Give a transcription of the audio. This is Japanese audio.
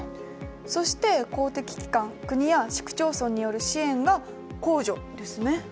そして公的機関国や市区町村による支援が公助ですね。